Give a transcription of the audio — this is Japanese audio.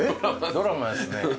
ドラマですね。